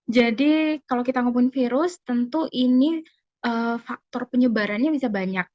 jadi kalau kita ngomongin virus tentu ini faktor penyebarannya bisa banyak